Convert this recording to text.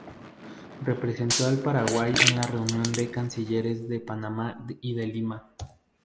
Representó al Paraguay en la reunión de Cancilleres de Panamá y de Lima.